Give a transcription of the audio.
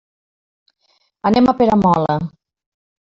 Anem a Peramola.